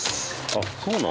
あっそうなん。